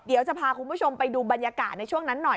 เดี๋ยวจะพาคุณผู้ชมไปดูบรรยากาศในช่วงนั้นหน่อย